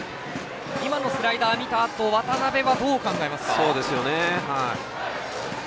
今のスライダー見たあと渡邉はどう考えますか。